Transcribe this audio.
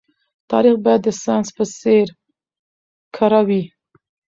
تاريخ بايد د ساينس په څېر کره وي.